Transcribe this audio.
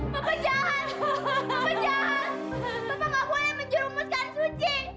bapak jahat bapak jahat bapak tidak boleh menjerumuskan suci